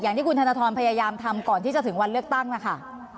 อย่างที่คุณธนทรพยายามทำก่อนที่จะถึงวันเลือกตั้งนะคะ